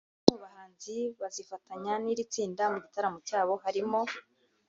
Bamwe mu bahanzi bazifatanya n'iri tsinda mu gitaramo cyabo harimo